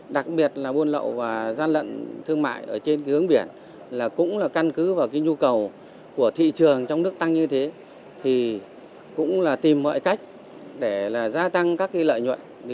đặc biệt là buôn lậu và gian lận thương mại ở trên hướng biển là cũng là căn cứ vào nhu cầu của thị trường trong nước tăng như thế thì cũng là tìm mọi cách để gia tăng các lợi nhuận